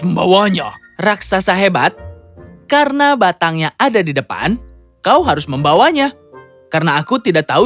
membawanya raksasa hebat karena batangnya ada di depan kau harus membawanya karena aku tidak tahu